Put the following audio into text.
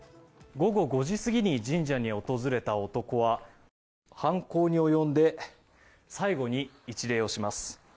午後５時過ぎに神社に訪れた男は犯行に及んで最後に一礼をします。